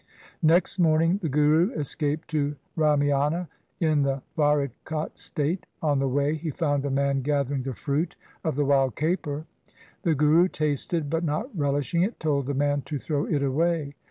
Next morning the Guru es caped to Ramiana in the Faridkot state. On the way he found a man gathering the fruit of the wild caper. The Guru tasted, but not relishing it, told the man to throw it away.